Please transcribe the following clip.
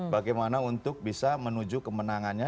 bagaimana untuk bisa menuju kemenangannya